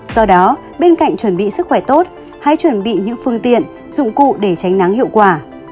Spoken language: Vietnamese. do đó bên cạnh chuẩn bị sức khỏe tốt hãy chuẩn bị những phương tiện dụng cụ để tránh nắng hiệu quả